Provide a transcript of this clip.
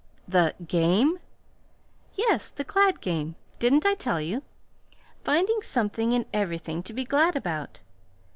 "The GAME?" "Yes; the glad game. Didn't I tell you? Finding something in everything to be glad about.